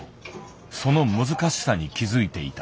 その難しさに気付いていた。